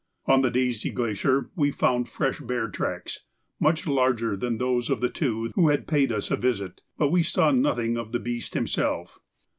On the Daisy Glacier we found fresh bear tracks, much larger than those of the two who had paid us a visit, but we saw nothing of the beast himself.